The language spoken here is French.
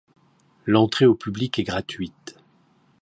L'entrée au public est gratuite.